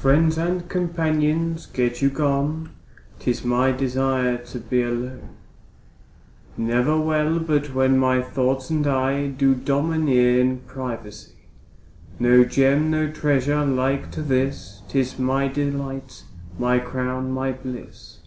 Friends and companions get you gone, 'Tis my desire to be alone; Ne'er well but when my thoughts and I Do domineer in privacy. No Gem, no treasure like to this, 'Tis my delight, my crown, my bliss.